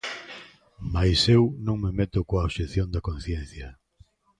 Mais eu non me meto coa obxección de conciencia.